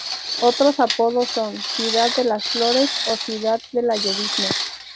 Otros apodos son "Ciudad de las Flores" o "Ciudad de la llovizna".